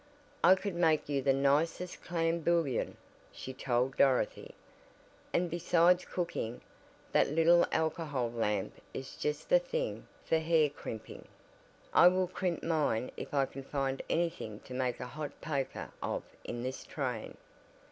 "I could make you the nicest clam bouillon," she told Dorothy, "and besides cooking, that little alcohol lamp is just the thing for hair crimping. I will crimp mine if I can find anything to make a hot poker of in this train."